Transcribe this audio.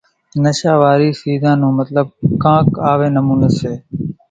نشا واري سيزان نو مطلٻ ڪانڪ آوي نموني سي